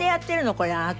これあなた。